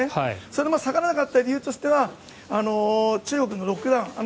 それも下がらなかった理由としては中国のロックダウン。